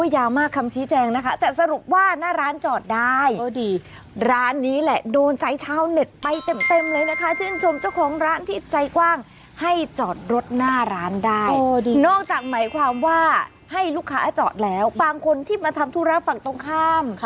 อยากมากคำชี้แจงนะคะ